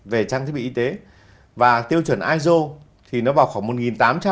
về trang thiết bị y tế và tiêu chuẩn iso thì nó vào khoảng một tám trăm linh